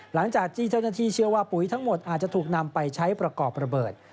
หลังจากที่เจ้าหน้าที่เชื่อว่าปุ๋ยทั้งหมดอาจจะถูกนำไปใช้ประกอบระเบิด